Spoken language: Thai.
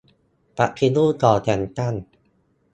ปฏิรูปก่อนแต่งตั้ง